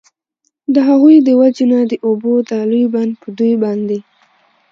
د هغوی د وجي نه د اوبو دا لوی بند په دوی باندي